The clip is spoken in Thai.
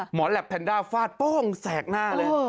แหลปแพนด้าฟาดโป้งแสกหน้าเลย